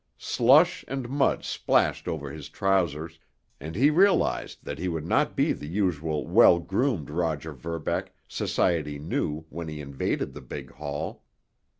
Slush and mud splashed over his trousers, and he realized that he would not be the usual well groomed Roger Verbeck society knew when he invaded the big hall.